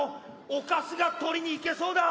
お菓子が取りに行けそうだ！